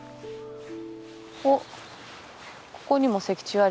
おっ。